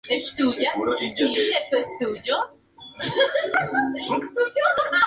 Tweed run trata sobre la vuelta a los orígenes del ciclismo.